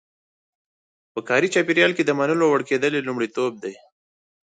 په کاري چاپېریال کې د منلو وړ کېدل یې لومړیتوب دی.